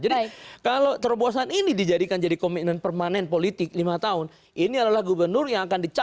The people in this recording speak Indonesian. jadi kalau terbosan ini dijadikan jadi komitmen permanen politik lima tahun ini adalah gubernur yang akan dikirimkan